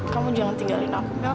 kamu jangan tinggalin aku